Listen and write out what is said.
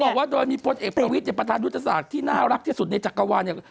บอกว่าโดยมีพลเอกประวิทย์เนี่ยประธานยุทธศาสตร์ที่น่ารักที่สุดในจักรวาลเนี่ย